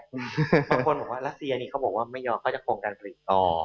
บางคนบอกว่ารัสเซียนี่เขาบอกว่าไม่ยอมเขาจะโครงการผลิตต่อ